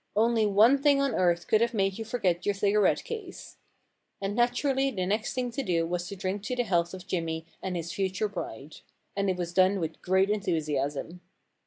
Only one thing on earth could have made you forget your cigarette case,* And naturally the next thing to do was to drink to the health of Jimmy and his future bride. And it was done with great enthusiasm.